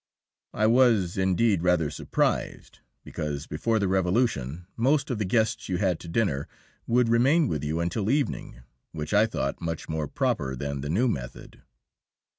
I was, indeed, rather surprised, because before the Revolution most of the guests you had to dinner would remain with you until evening, which I thought much more proper than the new method.